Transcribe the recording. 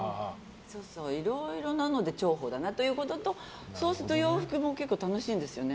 いろいろなので重宝だなということとそうすると洋服も結構楽しいんですよね